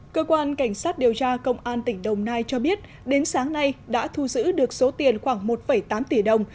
cơ quan cảnh sát điều tra công an tỉnh đồng nai cho biết đến sáng nay đã thu giữ được số tiền khoảng một tám tỷ đồng